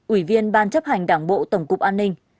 ủy viên ban chấp hành đảng bộ tổng cục an ninh